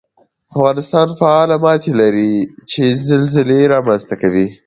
افغانستان فعاله ماتې لري چې زلزلې رامنځته کوي